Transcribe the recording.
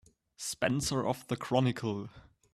Spencer of the Chronicle.